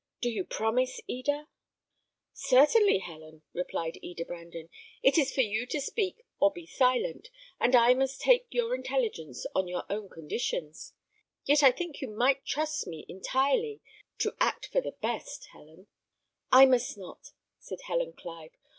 Do you promise, Eda?" "Certainly, Helen," replied Eda Brandon; "it is for you to speak or be silent; and I must take your intelligence on your own conditions. Yet I think you might trust me entirely to act for the best, Helen." "I must not," said Helen Clive.